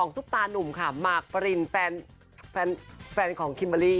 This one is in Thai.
ซุปตานุ่มค่ะหมากปรินแฟนของคิมเบอร์รี่